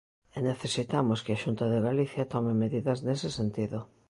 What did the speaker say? E necesitamos que a Xunta de Galicia tome medidas nese sentido.